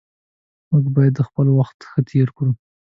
موږ باید خپل وخت ښه تیر کړو